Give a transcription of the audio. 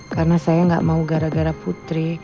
karena saya gak mau gara gara putri